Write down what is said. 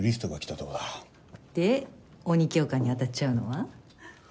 で鬼教官に当たっちゃうのは？